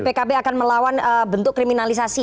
pkb akan melawan bentuk kriminalisasi